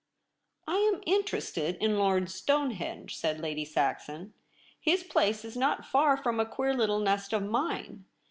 ' I am interested in Lord Stonehenge,' said Lady Saxon. ' His place Is not far from a queer little nest of mine.